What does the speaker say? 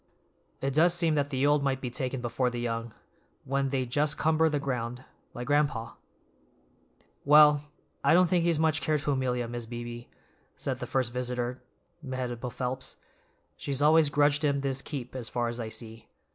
It does seem that the old might be taken before the young, when they just cumber the ground, like gran'pa." "Well, I don't think he's much care to Amelia, Mis' Beebe," said the first visitor, Mehitable Phelps. "She's always grudged him his keep, as far as I see.